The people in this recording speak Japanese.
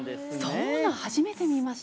そんな、初めて見ました。